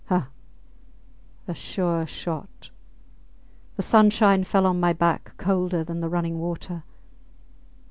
Ha! A sure shot! The sunshine fell on my back colder than the running water.